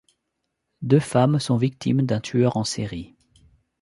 Deux femmes sont victimes d'un tueur en série.